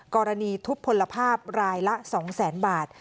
กรณีทุบพลภาพรายละ๒แสนบาท